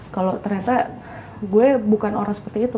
kalau ternyata gue bukan orang seperti itu